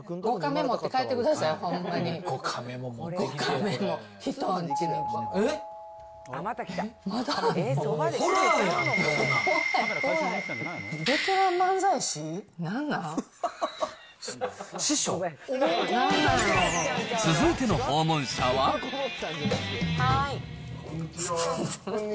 ５カメ持って帰ってください、ほんまに。